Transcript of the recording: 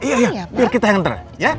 iya iya kita yang anterin